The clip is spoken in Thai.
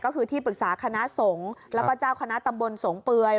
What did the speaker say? ก็คือที่ปรึกษาคณะสงฆ์แล้วก็เจ้าคณะตำบลสงเปื่อย